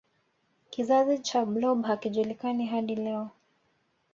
kizazi cha blob hakijulikani hadi leo